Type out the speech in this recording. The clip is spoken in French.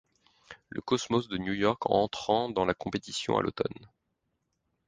Le Cosmos de New York entrant dans la compétition à l'automne.